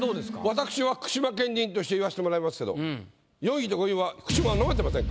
私は福島県人として言わせてもらいますけど４位と５位は。